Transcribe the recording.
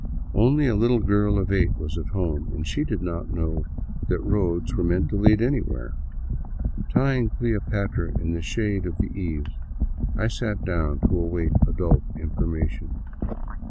Only a little girl of eight was at home, and she did not know that roads were meant to lead anywhere. Tying " Cleopatra " in the shade of the eaves, I sat down to await adult information.